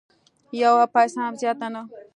یوه پیسه هم زیاته نه